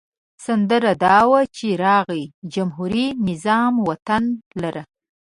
سندره دا وه چې راغی جمهوري نظام وطن لره.